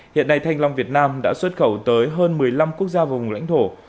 hiện nay thanh long việt nam đã xuất khẩu tới hơn một mươi năm quốc gia vùng lãnh thổ